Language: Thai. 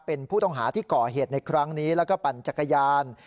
เป็นผู้ต้องหาที่ก่อเหตุในครั้งนี้แล้วก็ปั่นจักรยาน